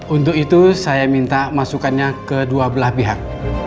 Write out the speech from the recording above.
untuk itu saya minta masukannya ke dua belah pihak